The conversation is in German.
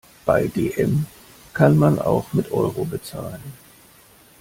Bei dm kann man auch mit Euro bezahlen.